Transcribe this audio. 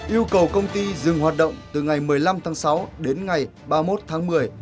yêu cầu công ty dừng hoạt động từ ngày một mươi năm tháng sáu đến ngày ba tháng